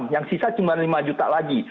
yang sisa cuma lima juta lagi